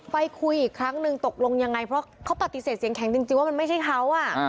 ไปคุยอีกครั้งนึงตกลงยังไงเพราะเขาปฏิเสธเสียงแข็งจริงว่ามันไม่ใช่เขา